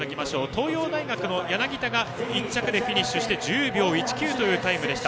東洋大学の柳田が１着フィニッシュで１０秒１９というタイムでした。